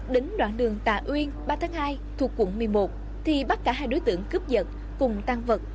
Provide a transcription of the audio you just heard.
đến đoạn đường tà uyên ba tháng hai thuộc quận một mươi một thì bắt cả hai đối tượng cướp giật cùng tan vật